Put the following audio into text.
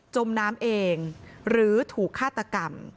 จมน้ำเองหรือถูกฆาตกรรม